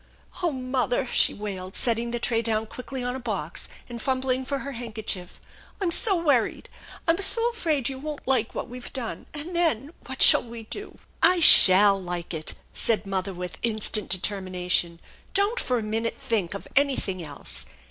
" Oh mother !" she wailed, setting the tray down quickly on a box and fumbling for her handkerchief. " I'm so wor ried ! I'm so afraid you won't like what we've done, and then what shall we do?" " I shall like it !" said the mother with instant determina tion. " Don't for a minute think of anything else.